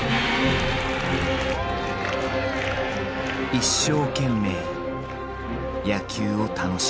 一生懸命野球を楽しむ。